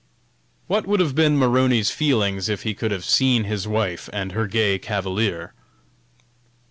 What would have been Maroney's feelings if he could have seen his wife and her gay cavalier?